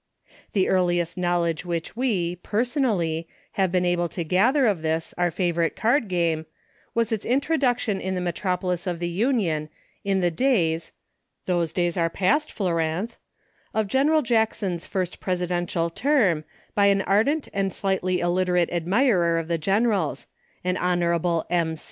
(23) 24 EUCHRE. The earliest knowledge which we, person ally, have been able to gather of this our favorite card game, was its introduction in the Metropolis of the Union, in the days —" those days are passed, Floranthe" — of Gen eral Jackson's first presidential term, by an ardent and slightly illiterate admirer of the General's — an Honorable M.